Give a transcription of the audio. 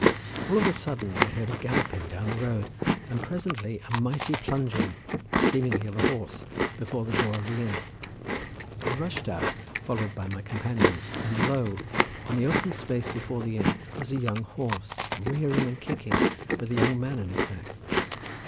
All of a sudden I heard a galloping down the road, and presently a mighty plunging, seemingly of a horse, before the door of the inn. I rushed out followed by my companions, and lo, on the open space before the inn was a fine young horse, rearing and kicking, with a young man on his back.